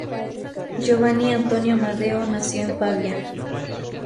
Giovanni Antonio Amadeo nació en Pavía.